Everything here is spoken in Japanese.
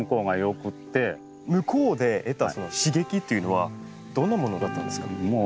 向こうで得た刺激っていうのはどんなものだったんですか？